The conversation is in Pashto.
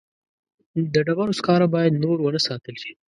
د ډبرو سکاره باید نور ونه ساتل شي.